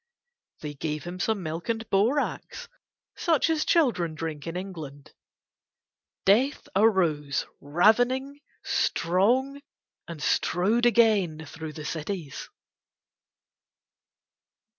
They gave him some milk and borax, such as children drink in England. Death arose ravening, strong, and strode again through the cities.